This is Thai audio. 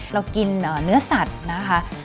เรากินเนื้อสัตว์นะคะ